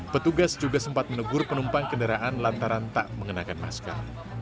petugas juga sempat menegur penumpang kendaraan lantaran tak mengenakan masker